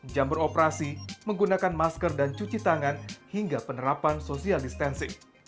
jam beroperasi menggunakan masker dan cuci tangan hingga penerapan social distancing